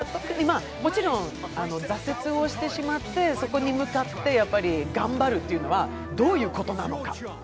もちろん挫折をしてしまってそこに向かって頑張るというのはどういうことなのか。